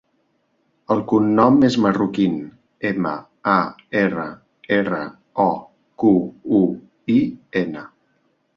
El cognom és Marroquin: ema, a, erra, erra, o, cu, u, i, ena.